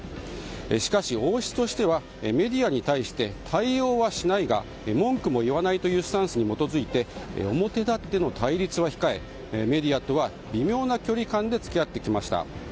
しかし王室としてはメディアに対して対応はしないが文句も言わないというスタンスに基づいて表立っての対立は控えメディアとは微妙な距離感で付き合ってきました。